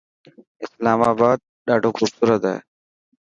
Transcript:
اسلاما آباد ڏاڌو خوبصورت هي.